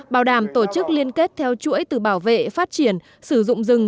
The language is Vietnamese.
bảo đảm tổ chức liên kết theo chuỗi từ bảo vệ phát triển sử dụng rừng